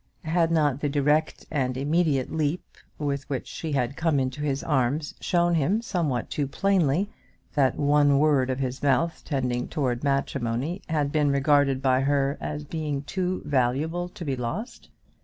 Had not the direct and immediate leap with which she had come into his arms shown him somewhat too plainly that one word of his mouth tending towards matrimony had been regarded by her as being too valuable to be lost?